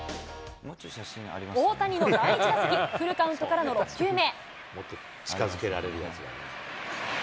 大谷の第１打席、フルカウントからの６球目。